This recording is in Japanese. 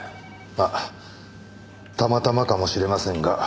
まあたまたまかもしれませんが。